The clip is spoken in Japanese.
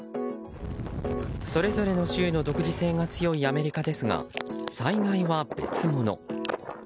それぞれの州の独自性が強いアメリカですが、災害は別物。